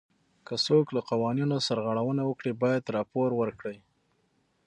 که څوک له قوانینو سرغړونه وکړي باید راپور ورکړي.